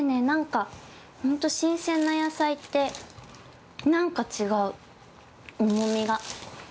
なんか、本当、新鮮な野菜ってなんか違う、重みが。